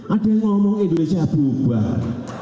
ada yang ngomong indonesia bubar